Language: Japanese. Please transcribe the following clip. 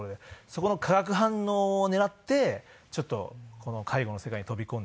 そこの化学反応を狙ってちょっとこの介護の世界に飛び込んでみましたね。